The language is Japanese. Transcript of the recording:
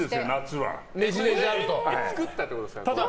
作ったってことですか？